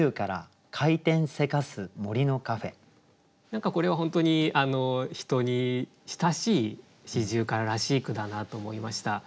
何かこれは本当に人に親しい四十雀らしい句だなと思いました。